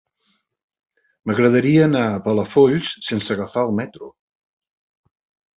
M'agradaria anar a Palafolls sense agafar el metro.